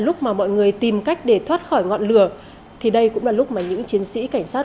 lúc mà mọi người tìm cách để thoát khỏi ngọn lửa thì đây cũng là lúc mà những chiến sĩ cảnh sát